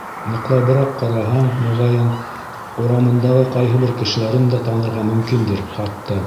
Ныҡлабыраҡ ҡараһаң, моғайын, урамындағы ҡайһы бер кешеләрен дә танырға мөмкиндер хатта.